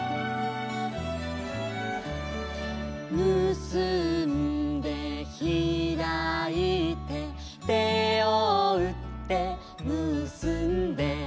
「むすんでひらいて」「手をうってむすんで」